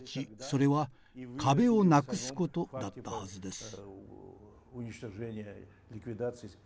それは壁をなくすことだったはずです。